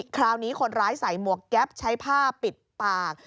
คราวนี้คนร้ายใส่หมวกแก๊ปใช้ผ้าปิดปาก